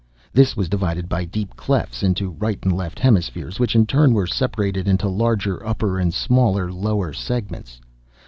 This was divided by deep clefts into right and left hemispheres, which, in turn were separated into larger upper and smaller lower segments.